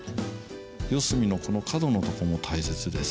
四隅の角のとこも大切です。